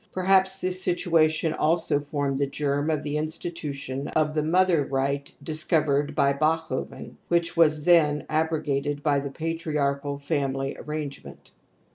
Perhaps this situation also formed the germ of the institution of the mother right^ discovered by Bachofen, which was then abrogated by the patriarchal family arrangement.